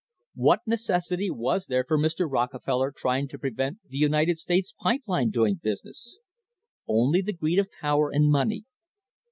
What necessity was there for Mr. Rockefeller trying to prevent the United States Pipe Line doing business? only the greed of power and money.